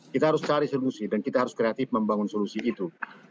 kita harus cari solusi dan kita harus kreatif membangun solusi itu